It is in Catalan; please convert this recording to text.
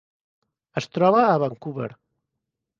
Es troba a Vancouver.